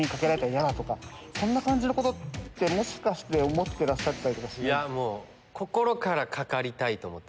そんな感じのことってもしかして思ってらっしゃったりします？